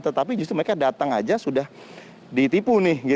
tetapi justru mereka datang aja sudah ditipu nih